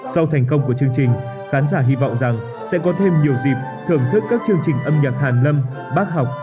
sau thành công của chương trình khán giả hy vọng rằng sẽ có thêm nhiều dịp thưởng thức các chương trình âm nhạc nước ngoài